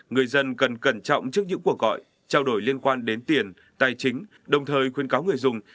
người dân cần cẩn trọng trước những cuộc gọi trao đổi liên quan đến tiền tài chính đồng thời khuyên cáo người dùng